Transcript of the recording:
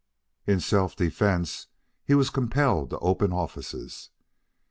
In self defence he was compelled to open offices.